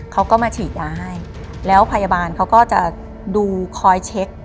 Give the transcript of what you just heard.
เขาก็มาฉีดยาให้แล้วพยาบาลเขาก็จะดูคอยเช็ค